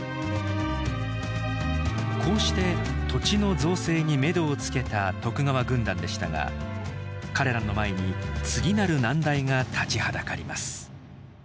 こうして土地の造成にめどをつけた徳川軍団でしたが彼らの前に次なる難題が立ちはだかります。